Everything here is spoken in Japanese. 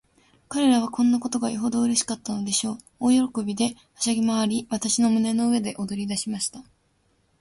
彼等はこんなことがよほどうれしかったのでしょう。大喜びで、はしゃぎまわり、私の胸の上で踊りだしました。